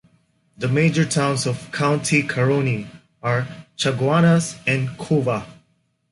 The major towns of County Caroni are Chaguanas and Couva.